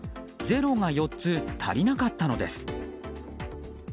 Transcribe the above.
０が４つ足りなかったのです。